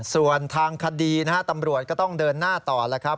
ส่วนทางคดีนะฮะตำรวจก็ต้องเดินหน้าต่อแล้วครับ